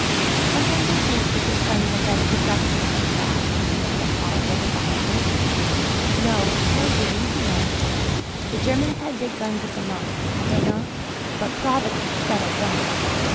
"Sometimes I think the big guns are better to trust in than God," said Miss Oliver defiantly. "No, no, dear, you do not. The Germans had the big guns at the Marne, had they not? But Providence settled them.